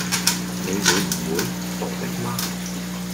你會唔會？傻的嗎！